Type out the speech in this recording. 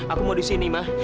aku mau disini ma